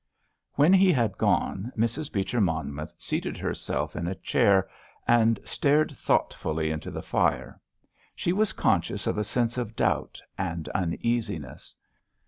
When he had gone Mrs. Beecher Monmouth seated herself in a chair and stared thoughtfully into the fire. She was conscious of a sense of doubt and uneasiness.